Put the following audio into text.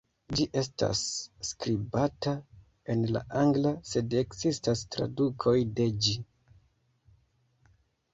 Ĝi estas skribata en la angla, sed ekzistas tradukoj de ĝi.